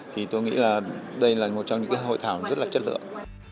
thì tôi nghĩ là đây là một trong những hội thảo rất là chất lượng